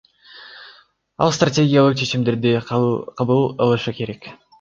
Ал стратегиялык чечимдерди кабыл алышы керек.